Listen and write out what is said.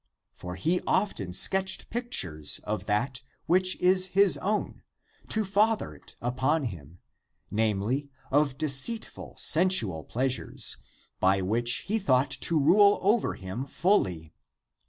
For he often sketched pictures of that which is his own, to father it upon him, namely, of de ceitful sensual pleasures, by which he thought to rule over him fully.